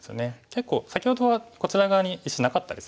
結構先ほどはこちら側に石なかったですよね。